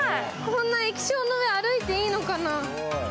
こんな液晶の上、歩いていいのかな。